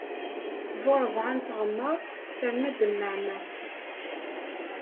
Bu rebɛa n tɣemmar, terna-d nneɛma.